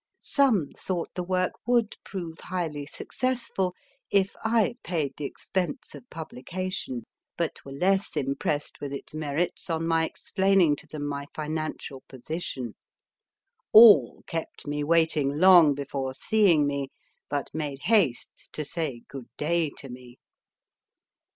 Some thought the work would prove highly successful if I paid the expense of publication, but were less impressed with its merits on my explaining to them my financial position. All kept me waiting long before seeing me, but made haste to say Good day to me.